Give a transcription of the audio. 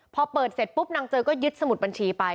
พอเปิดเสร็จปุ๊บนางเจอก็ยึดสมุดบัญชีไป